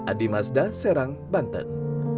adi mazda serang banten